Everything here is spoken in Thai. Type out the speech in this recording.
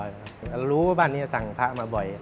รู้ว่าบ้านนี้สั่งพระมาบ่อย